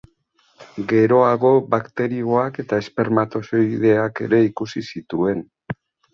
Geroago bakterioak eta espermatozoideak ere ikusi zituen.